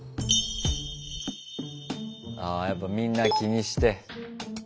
あやっぱみんな気にして。